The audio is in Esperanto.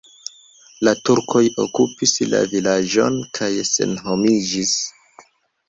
La turkoj okupis la vilaĝon kaj senhomiĝis.